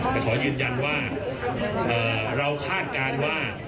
แต่ขอยืนยันว่าเราคาดการณ์ว่า